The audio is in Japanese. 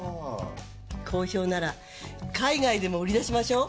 好評なら海外でも売り出しましょう。